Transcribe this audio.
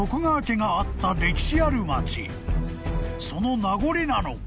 ［その名残なのか］